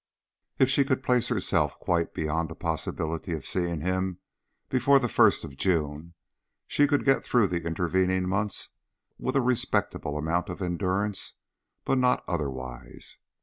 If she could place herself quite beyond the possibility of seeing him before the first of June, she could get through the intervening months with a respectable amount of endurance, but not otherwise.